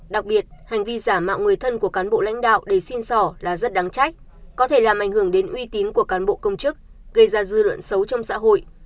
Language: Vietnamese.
đặc biệt hành vi giả mạo người thân của cán bộ lãnh đạo để xin sỏ là rất đáng trách có thể làm ảnh hưởng đến uy tín của cán bộ công chức gây ra dư luận xấu trong xã hội